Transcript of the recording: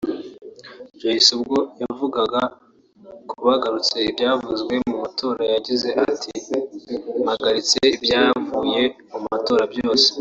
Joyce ubwo yavugaga ko ahagaritse ibyavuye mu matora yagize ati “Mpagaritse ibyavuye mu matora byose